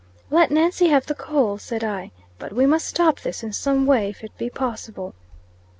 "Let Nancy have the coal," said I. "But we must stop this in some way, if it be possible."